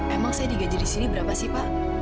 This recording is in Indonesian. emang saya digaji di sini berapa sih pak